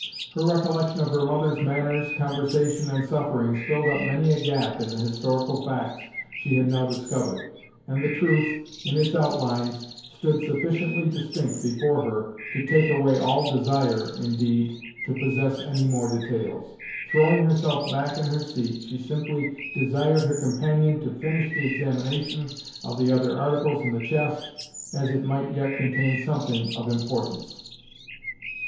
Her recollection of her mother's manners, conversation, and sufferings filled up many a gap in the historical facts she had now discovered, and the truth, in its outlines, stood sufficiently distinct before her to take away all desire, indeed, to possess any more details. Throwing herself back in her seat, she simply desired her companion to finish the examination of the other articles in the chest, as it might yet contain something of importance.